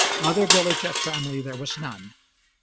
Other village at Framley there was none.